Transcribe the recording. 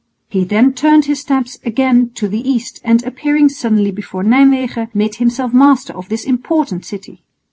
He then turned his steps again to the east and appearing suddenly before Nijmwegen made himself master of this important city.